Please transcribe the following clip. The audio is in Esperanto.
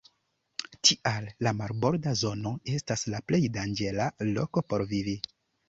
Tial la marborda zono estas la plej danĝera loko por vivi.